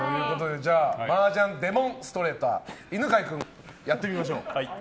マージャンデモンストレーター犬飼君、やってみましょう。